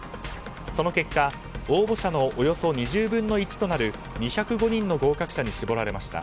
その結果、応募者のおよそ２０分の１となる２０５人の合格者に絞られました。